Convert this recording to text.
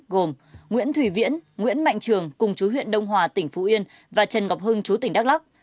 gồm nguyễn thủy viễn nguyễn mạnh trường cùng chú huyện đông hòa tỉnh phú yên và trần ngọc hưng chú tỉnh đắk lắc